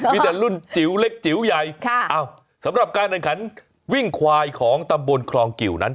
มีแต่รุ่นจิ๋วเล็กจิ๋วใหญ่สำหรับการแข่งขันวิ่งควายของตำบลคลองกิวนั้น